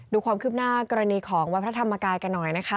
ดูความคืบหน้ากรณีของวัดพระธรรมกายกันหน่อยนะคะ